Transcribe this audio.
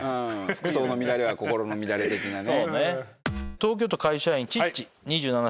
服装の乱れは心の乱れ的なね。